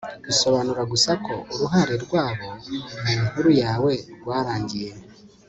bisobanura gusa ko uruhare rwabo mu nkuru yawe rwarangiye